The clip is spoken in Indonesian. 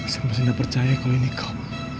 saya masih gak percaya kalau ini kau